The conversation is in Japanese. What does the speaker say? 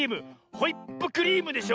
「ホイップクリーム」でしょ。